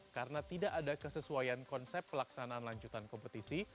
karena tidak ada kesesuaian konsep pelaksanaan lanjutan kompetisi